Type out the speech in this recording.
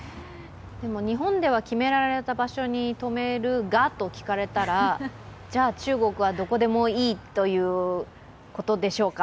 日本では決められた場所に止めるがと聞かれたらじゃあ、中国はどこでもいいということでしょうか？